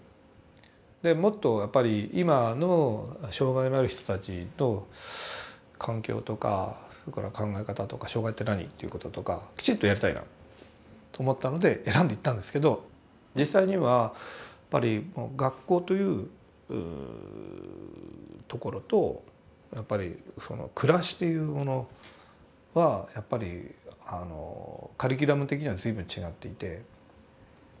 もっとやっぱり今の障害のある人たちと環境とかそれから考え方とか障害って何ということとかきちっとやりたいなと思ったので選んで行ったんですけど実際にはやっぱり学校というところとやっぱりその暮らしというものはやっぱりカリキュラム的には随分違っていて。